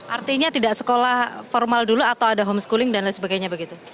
artinya tidak sekolah formal dulu atau ada homeschooling dan lain sebagainya begitu